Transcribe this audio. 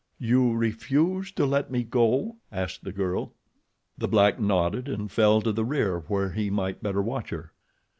"You refuse to let me go?" asked the girl. The black nodded, and fell to the rear where he might better watch her.